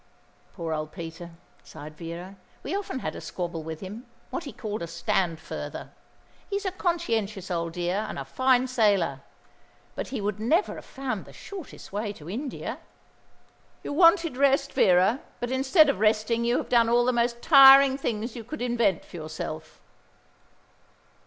'" "Poor old Peter," sighed Vera. "We often had a squabble with him what he called a stand further. He's a conscientious old dear, and a fine sailor; but he would never have found the shortest way to India." "You wanted rest, Vera; but instead of resting, you have done all the most tiring things you could invent for yourself."